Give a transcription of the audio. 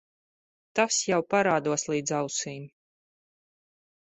Tas jau parādos līdz ausīm.